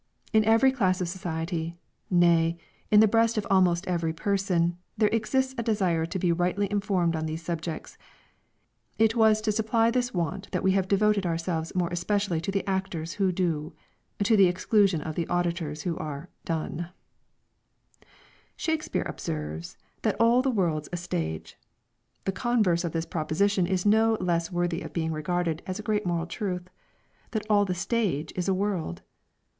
In every class of society, nay, in the breast of almost every person, there exists a desire to be rightly informed on these subjects. It was to supply this want that we have devoted ourselves more especially to the actors who do, to the exclusion of the auditors who are "done." Shakspeare observes, that "all the world's a stage;" the converse of this proposition is no less worthy of being regarded as a great moral truth, that all the stage is a world.